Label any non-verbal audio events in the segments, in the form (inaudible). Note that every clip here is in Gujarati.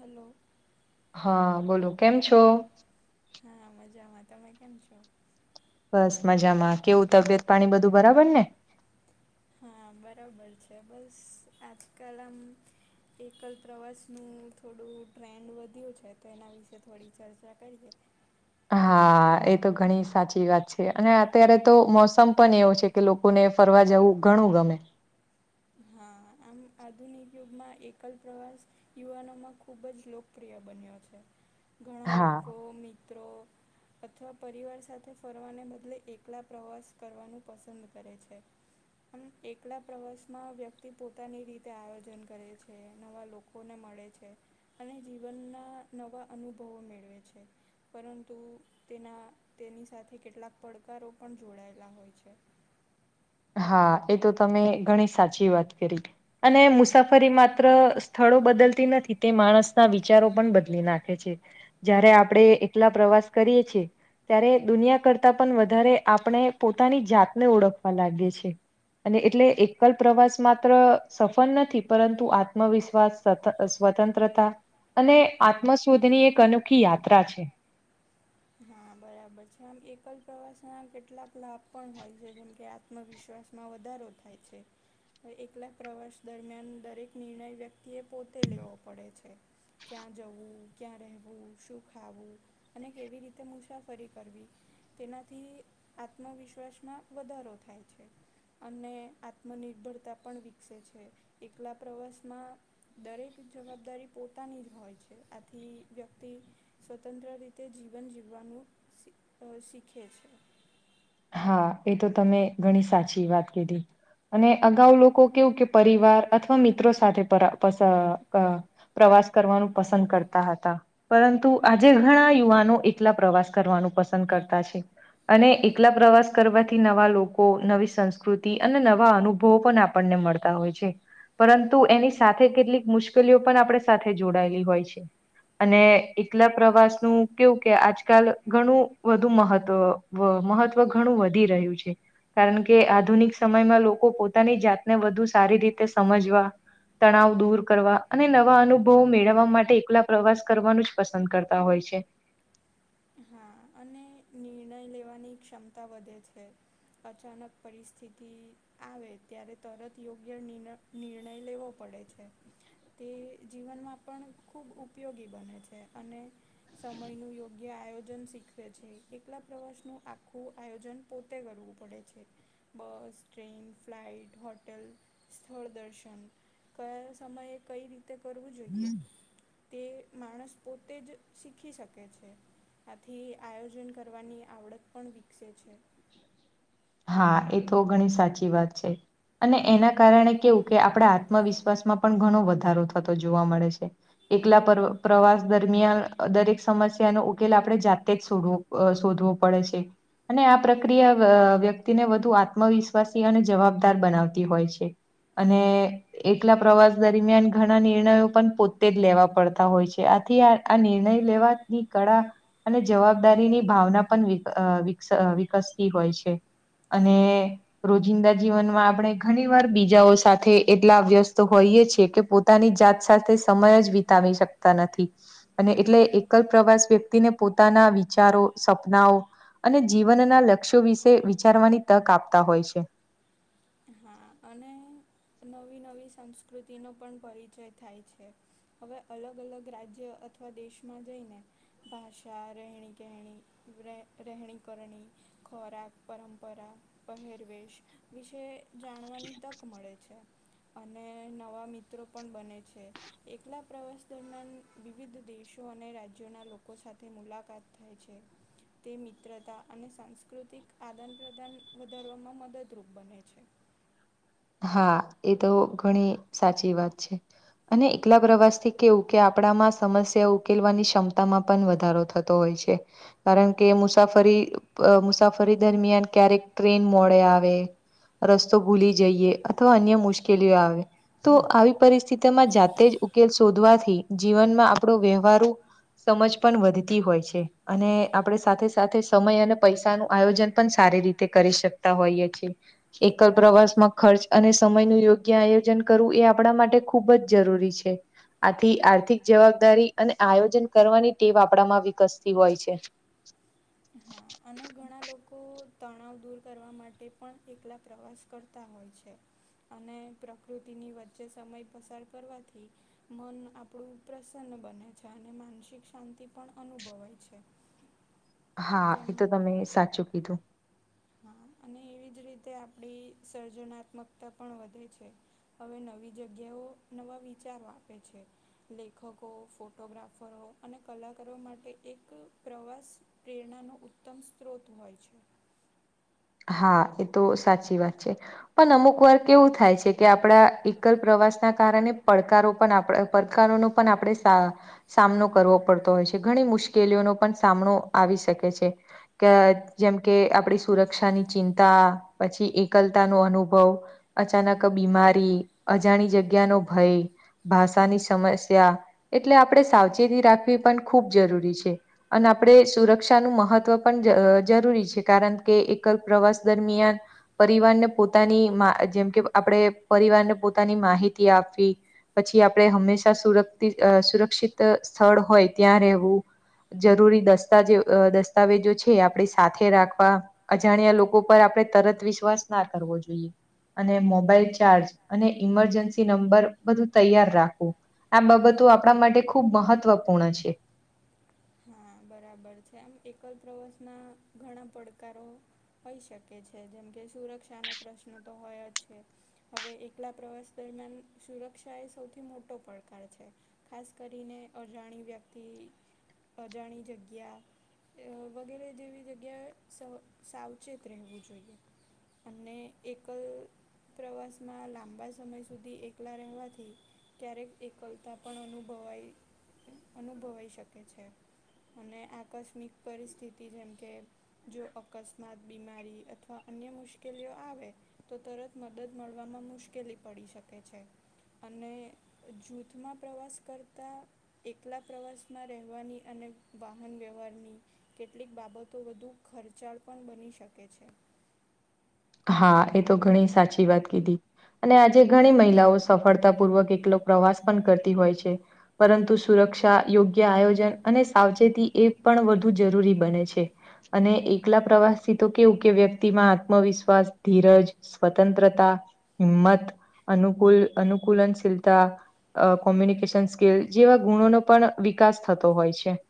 હલો. હા, બોલો કેમ છો? હા, મજામાં. તમે કેમ છો? બસ મજામાં. કેવું તબિયત પાણી બધું બરાબરને? હા, બરાબર છે. બસ આજકાલ આમ એકલ પ્રવાસનું થોડું ટ્રેન્ડ વધ્યું છે, તો એના વિશે થોડી ચર્ચા કરીએ. હા, એ તો ઘણી સાચી વાત છે, અને અત્યારે તો મોસમ પણ એવો છે. કે લોકોને ફરવા જવું ઘણું ગમે. હા, આમ આધુનિક યુગમાં એકલ પ્રવાસ યુવાનોમાં ખૂબ જ લોકપ્રિય બન્યો છે, ઘણા હા લોકો, મિત્રો અથવા પરિવાર સાથે ફરવાને બદલે, એકલા પ્રવાસ કરવાનું પસંદ કરે છે. આમ એકલા પ્રવાસ મા વ્યક્તિ પોતાની રીતે આયોજન કરે છે, નવા લોકોને મળે છે. અને જીવનના નવા અનુભવો મેળવે છે. પરંતુ તેના, તેની સાથે કેટલા પડકારો પણ જોડાયેલા હોય છે. હા, એ તો તમે ઘણી સાચી વાત કરી, અને મુસાફરી માત્ર સ્થળો બદલતી નથી, તે માણસના વિચારો પણ બદલી નાખે છે. જયારે આપડે એકલા પ્રવાસ કરીએ છીએ. ત્યારે દુનિયા કરતા પણ વધારે, આપણે પોતાની જાતને ઓળખવા લાગીયે છે. અને એટલે એકલ પ્રવાસ માત્ર સફળ નથી, પરંતુ આત્મવિશ્વાસ કરતા સ્વતંત્રતા અને આત્મશોધની અનોખી યાત્રા છે. હા, બરાબર છે, આમ એકલ પ્રવાસના કેટલાક લાભ પણ હોય છે, જેમ કે આ ત્મવિશ્વાસમાં વધારો થાય છે. એકલા પ્રવાસ દરમિયાન દરેક નિર્ણય વ્યક્તિએ પોતે લેવો પડે છે. ક્યાં જવું, ક્યાં રહેવું, શું ખાવું અને કેવી રી તે મુસાફરી કરવી, તેનાથી આત્મવિશ્વાસમાં વધારો થાય છે. અને આત્મનિર્ભરતા પણ વિકસે છે, એકલા પ્રવાસમાં દરેક જવાબદારી પોતાની જ હોય છે, આથી વ્યક્તિ સ્વતંત્ર રીતે જીવન જીવવાનું સી અ શીખે છે. હા, એ તો તમે ઘણી સાચી વાત કીધી. અને અગાઉ લોકો કેવું કે, પરિવાર અથવા મિત્રો સાથે પસા સા પ્રવાસ કરવાનું પસંદ કરતા હતા. પરંતુ આજે ઘણા યુવાનો એકલા પ્રવાસ કરવાનું પસંદ કરતા છે, અને એ કેલા પ્રવાસ કરવાથી, નવા લોકો, નવી સંસ્કૃતિ અને નવા અનુભવ પણ આપણને મળતા હોય છે. પરંતુ એની સાથે કેટલીક મુશ્કેલીઓ પણ આપણે સાથે જોડાયેલી હોય છે. અને એટલા પ્રવાસનું કેવું, કે આજકાલ ઘણું વધુ મહત્વ વ મહત્વ ઘણું વધી રહ્યું છે. કારણ કે આધુનિક સમયમાં લોકો, પોતાની જાતને વધુ સારી રીતે સમજવા તણાવ દૂર કરવા, અને નવા અનુભવો મેળવવા માટે, એકલા પ્રવાસ કરવાનું જ પસંદ કરતા હોય છે. હા અને નિર્ણય લેવાની ક્ષમતા વધે છે. અચાનક પરિસ્થિતિ આવે ત્યારે તરત યોગ્ય નિર્ણય લેવો પડે છે. તે જીવનમાં પણ ખૂબ ઉપયોગી બને છે, અને સમયનું યોગ્ય આયો જન શીખવે છે, એકલા પ્રવાસનું આખું આયોજન પોતે કરવું પડે છે. બસ, ટ્રેન, ફ્લાઇટ, હોટલ સ્થળ દર્શન કયા સમયે કઈ રીત તે કરવું જોઈએ, તે માણસ પોતે જ શીખી શકે છે. આથી આયોજન કરવાની આવડત પણ વિકસે છે. હા એ તો ઘણી સાચી વાત છે. અને એના કારણે કેવું કે, આપડા આત્મવિશ્વાસમાં પણ ઘણો વધારો થતો જોવા મળે છે. એકલા પ્ર પ્રવાસ દરમિયાન દરેક સમસ્યાનો ઉકેલ આપણે જાતે જ શોધવો અ શોધવો પડે છે અને આ પ્રક ક્રીયા વ્યક્તિને વધુ આત્મવિશ્વાસી અને જવાબદાર બનાવતી હોય છે. અને... એકલા પ્રવાસ દરમિયાન ઘણા નિર્ણયો પણ પોતે જ લેવા પડતા હોય છે આથી આ આ નિર્ણય લેવાની કળા અને જવાબદારીની ભાવના પણ વી વી વિકસતી હોય છે. અને રોજિંદા જીવનમાં આપણે ઘણી વાર બીજાઓ સાથે એટલા વ્યસ્ત હોઈએ છેીએ કે પોત પોતાની જાત સાથે સમય જ વિતાવી શકતા નથી. અને એટલે એકલ પ્રવાસ વ્યક્તિને પોતાના વિચારો, સપનાઓ અને જીવનના લક્ષ્યો વિશે વિચારવાની તક આપતા હોય છે. હા અને નવી-નવી સંસ્કૃતિનો પણ પરિચય થાય છે. હવે અલગ-અલગ રાજ્ય અથવા દેશમાં જઈને ભાષા, રેહણીકેહેણી રે રેહણીકરણી ખોરાક, પરંપરા, પહેરવેશ વિશે જાણવાની તક મળે છે અને નવા મિત્રો પણ બને છે. એકલા પ્રવાસ દરમિયાન વિવિધ દેશો અને રાજ્યોના લોકો સાથે મુલાકાત થાય છે. તે મિત્રતા અને સાંસ્કૃતિક આદાન-પ્રદાન વધારવામાં મદદરૂપ બને છે. હા, એતો ઘણી સાચી વાત છે. અને એકલા પ્રવાસથી કેવું કે આપણામાં સમસ્યા ઉકેલવાની ક્ષમતામાં પણ વધારો થ તો હોય છે. કારણ કે મુસાફરી મુસાફરી દરમિયાન ક્યારેક ટ્રેન મોડે આવે. રસ્તો ભૂલી જઈએ અથવા અન્ય મુશ્કેલીઓ આવે. તો આવી પરિસ્થિતિમાં જાતે જ ઉકેલ શોધવાથી જીવનમાં આપણો વ્યવહારું સમજ પણ વધતી હોય છે અને આપણે સાથે-સાથે સમય અને પૈસાનું આયોજન પણ સારી રીતે (unintelligible) કરી શકતા હોઈએ છીએ એકલ પ્રવાસમાં ખર્ચ અને સમયનુ યોગ્ય આયોજન કરવું એ આપણા માટે ખૂબ જ જરૂરી છે. આથી આર્થિક જવાબદારી અને આયોજન કરવાની ટેવ આપણામાં વિકસતી હોય છે. (inaudible) હા અને ઘણા લોકો તણાવ દૂર કરવા માટે પણ એકલા પ્રવાસ કર તા હોય છે અને પ્રકૃતિની વચ્ચે સમય પસાર કરવાથી મન આપડું પ્રસન્ન બને છે માનસિક શાંતિ પણ અનુભવાય છે. હા, તેમ એતો તમે સાચું કીધું. હા અને એવી જ રીતે આપણી સર્જનાત્મકતા પણ વધે છે. હવે નવી જગ્યાઓ નવા વિચારો આપે છે. લેખકો, ફોટોગ્રાફરો અને કલાકારો માટે એક પ્રવાસ પ્રેરણાનો ઉત્તમ સ્રોત હોય છે. હા, એતો સાચી વાત છે. પણ અમુકવાર કેવું થાય છે કે આપણે આ એકલ પ્રવાસ ના કારણે પડકારો પણ આપણા પડકારોનું પણ આપણે સા સામનો કરવો પડતો હોય છે ઘણી મુશ્કેલીઓનો પણ સામનો આવી શકે છે. કે જેમ કે આપણી સુર ક્ષાની ચિંતા પછી એકલતાનો અનુભવ અચાનક આ બીમારી અજાણી જગ્યાનો ભય ભાષાની સમસ્યા એટલે આપણે સાવચેતી રાખવી પણ ખૂબ જરૂરી છે. અને આપણે સુરક્ષા નું મહત્વ પણ જ જરૂરી છે કારણ કે એ પ્રવાસ દરમિયાન પરિવારને પોતાની જેમકે આપડે પરિવારને પોતાની માહિતી આપવી. પછી આપણે હંમેશા સુર સુરક્ષિત સ્થળ હોઈ ત્યાં રહેવું. જરૂરી દસ્તા દસ્તાવેજો છે એ આપડી સાથે રાખવા. અજાણ્યા લોકો પર આપણે તરત વિશ્વાસ ના કરવો જોઇએ. અને મોબાઈલ ચાર્જ અને ઇમરજન્સી નંબર બધું તૈયાર રાખવું. આ બાબતો આપણા માટે ખૂબ મહત્વપૂર્ણ છે. હા બરાબર છે એમ એકલ પ્રવાસના ઘણા પડકારો હોય શકે છે જેમ કે સુરક્ષાનો પ્રશ્ન તો હોય જ છે. હવે એકલા પ્રવાસ દરમિયાન સુરક્ષા એ સૌથી મોટો પડકાર છે. ખાસ કરીને અજાણી વ્યક્તિ અજાણી જગ્યા વગેરે જેવી જગ્યાએ સાવચેત રહેવું જોઈએ. અને એકલ પ્રવાસમાં લાંબા સમય સુધી એકલા રહેવાથી. ક્યારેક એકલતા પણ અનુભવાય અનુભવાય શકે છે. અને આકસ્મિક પરિસ્થિતિ જેમ કે જો અકસ્માત બીમારી અથવા અન્ય મુશ્કેલીઓ આવે તો તરત મદદ મળવામાં મુશ્કેલી પડી શકે છે. અને જૂથમાં પ્રવાસ કરતા એકલા પ્રવાસમાં રહેવાની અને વાહન વ્યવહારની કેટલીક બાબતો વધુ ખર્ચાળ પણ બની શકે છે. હા એ તો ઘણી સાચી વાત કીધી. અને આજે ઘણી મહિલાઓ સફળતાપૂર્વક એકલો પ્રવાસ પણ કરતી હોય છે. પરંતુ સુરક્ષા યોગ્ય આયોજન અને સાવચેતી એ પણ વધુ જરૂરી બને છે અને એકલા પ્રવાસથી તો કેવું કે વ્યકિત મા આત્મવિશ્વાસ વિશ્વાસ, ધીરજ, સ્વાતંત્રતા, હિંમત અનુકૂલ અનુકુલનશીલતા કમ્યુનિકેશન સ્કીલ જેવા ગુણોનો પણ વિકાસ થતો હોય છે.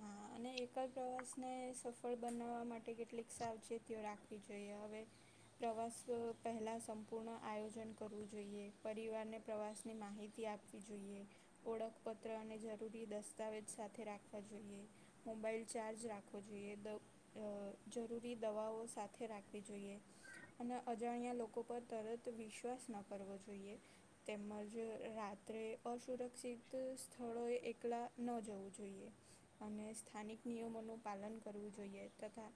હા અને એકાદ પ્રવાસ ને સફળ બનાવવા માટે કેટલીક સાવચે તીઓ રાખવી જોઈએ હવે પ્રવાસ પહેલા સંપૂર્ણ આયોજન કરવું જોઈએ, પરિવાર ને પ્રવાસ ની માહિતી આ આપવી જોઈએ ઓળખપત્ર અને જરૂરી દસ્તાવેજ સાથે રાખવા જોઈએ. મોબાઇલ ચાર્જ રાખવો જોઈએ દ જરૂરી દવાઓ સાથે રાખવી જોઈએ. અને અજાણ્યા લોકો પર તરત વિશ્વાસ ન કરવો જોઈએ. તેમજ રાત્રે અસુરક્ષિત સ્થળોએ એકલા ન જવું જોઈએ. અને સ્થાનિક નિયમોનું પાલન કરવું જોઈએ તથા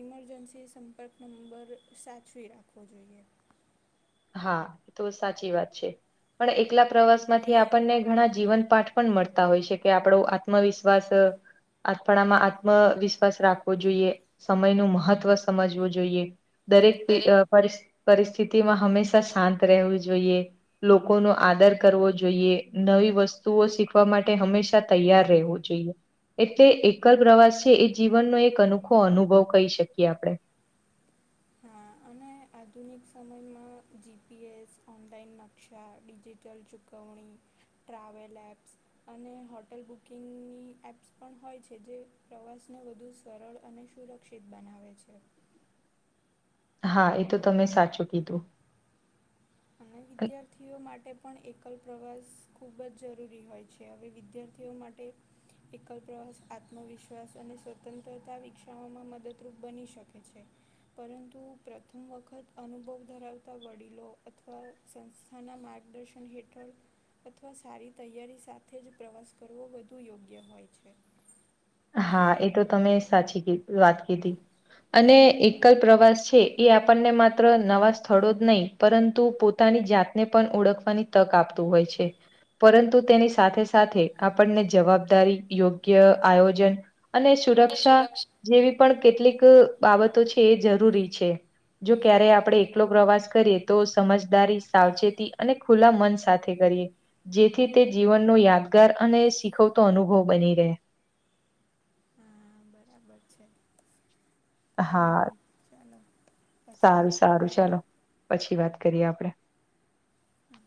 ઇમરજન્સી સંપર્ક નંબર સાચવી રાખવો જોઈએ. હા એ તો સાચી વાત છે. પણ એકલા પ્રવાસમાંથી આપણને ઘણા જીવન પાઠ પણ મળતા હોય છે કે આપણો આત્મવિશ્વાસ આપણામાં આત્મવિશ્વાસ રાખવો જોઈએ. સમય નું મહત્ત્વ સમજવું જોઈએ દરેક પરિસ્થિ પરિસ્થિતિમાં હંમેશા શાંત રહેવું જોઈએ લોકો નો આદર કરવો જોઈએ નવી વસ્તુઓ શીખવા માટે હંમેશા તૈયાર રહેવું જો એટલે એકલ પ્રવાસ છે એ જીવનનો એક અનોખો અનુભવ કહી શકીએ આપણે હા આધુનિક સમયમાં જીપીએસ ઓનલાઈન નકશા કોવણી ટ્રાવેલ એપ્સ અને હોટલ બુકિંગની એપ્સ પણ હોય છે પ્રવાસને વધુ સરળ સુરક્ષ શિકષિત બનાવે છે હા એ તો તમે સાચું કીધું અને વિદ્યાર્થીઓ માટે પણ એકલ પ્રવાસ ખૂબ જ જરૂરી હોય છે છે હવે વિદ્યાર્થીઓ માટે એકલ પ્રવાસ આત્મવિશ્વાસ અને સ્વતંત્રતા વિકષાવમાં મદદરૂપ બની શકે છે પ્રથમ વખત ધરાવતા વડીલો સંસ્થાના માર્ગદર્શન હેઠળ અથવા સારી તૈયારી સાથે જ પ્રવાસ કરવો વધુ યોગ્ય હોય છે હા એ તો તમે સાચી વાત કીધી અને એકલ પ્રવાસ છે એ આપણને માત્ર નવા સ્થળો જ નહીં પરંતુ પોતાની જાતને પણ ઓળખવાની તક આપતું હોય છે પરંતુ તેની સાથે સાથે આપણને જવાબદારી યોગ્ય આયોજન અને સુરક્ષા જેવી પણ કેટલીક બાબતો છે એ જરૂરી છે જો ક્યારે આપણે એકલો પ્રવાસ કરીએ સમજદારી સાવચેતી ખુલ્લા મન સાથે કરીએ જેથી તે જીવનનો યાદગાર અને શીખવતો અનુભવ બની રહે હા બરાબર છે કંઈ નહીં ચાલો પછી સારું વાત સારું કરીએ ચાલો વાત કરીએ આપડે હા